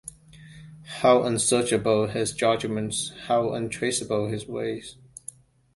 How unsearchable his judgments, how untraceable his ways.